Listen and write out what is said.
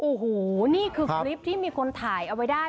โอ้โหนี่คือคลิปที่มีคนถ่ายเอาไว้ได้